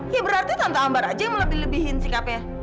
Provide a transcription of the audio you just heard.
ya berarti tante ambar aja yang melebihi lebihin sikapnya